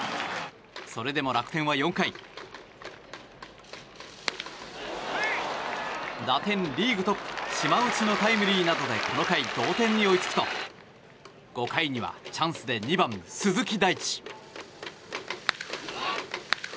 それでも楽天は４回打点リーグトップ島内のタイムリーなどでこの回、同点に追いつくと５回にはチャンスで２番、鈴木大地。